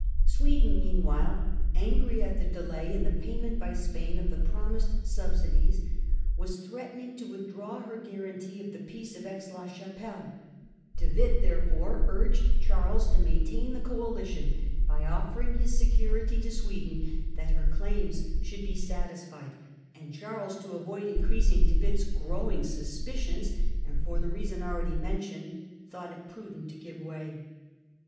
Sweden meanwhile, angry at the delay in the payment by Spain of the promised subsidies, was threatening to withdraw her guarantee of the Peace of Aix la Chapelle. De Witt therefore urged Charles to maintain the coalition by offering his security to Sweden that her claims should be satisfied (see p. 161) ; and i66g. Claries and Colbert 183 Charles, to avoid increasing De Witt's growing sus picions, and for the reason already mentioned, thought it prudent to give way.